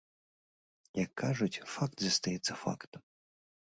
Як кажуць, факт застаецца фактам.